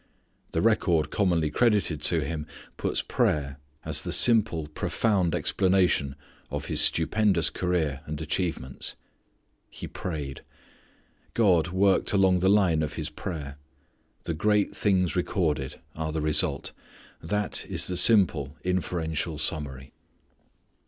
The record commonly credited to him puts prayer as the simple profound explanation of his stupendous career and achievements. He prayed. God worked along the line of his prayer. The great things recorded are the result. That is the simple inferential summary.